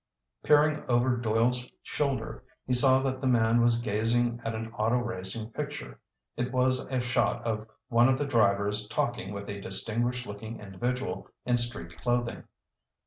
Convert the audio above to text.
Peering over Doyle's shoulder he saw that the man was gazing at an auto racing picture. It was a shot of one of the drivers talking with a distinguished looking individual in street clothing.